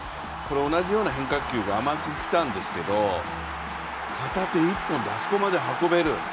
同じような変化球が甘く来たんですけど、片手一本であそこまで運べる